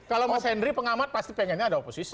kalau mas henry pengamat pasti pengennya ada oposisi